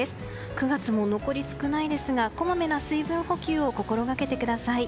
９月も残り少ないですがこまめな水分補給を心がけてください。